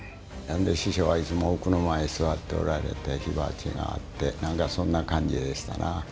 師匠はいつも奥の間へ座っておられて火鉢があって何かそんな感じでしたな。